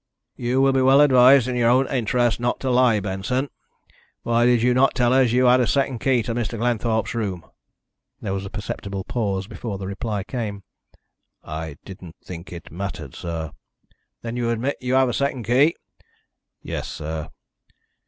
"You will be well advised, in your own interests, not to lie, Benson. Why did you not tell us you had a second key to Mr. Glenthorpe's room?" There was a perceptible pause before the reply came. "I didn't think it mattered, sir." "Then you admit you have a second key?" "Yes, sir."